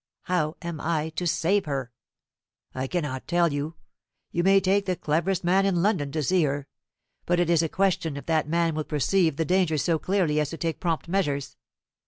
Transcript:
How am I to save her?" "I cannot tell you. You may take the cleverest man in London to see her; but it is a question if that man will perceive the danger so clearly as to take prompt measures.